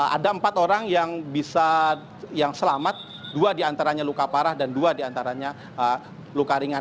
ada empat orang yang bisa yang selamat dua diantaranya luka parah dan dua diantaranya luka ringan